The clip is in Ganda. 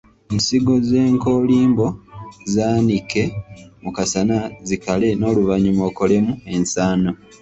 Ensigo z’enkoolimbo zaanike mu kasana zikale n’oluvannyuma okolemu ensaano.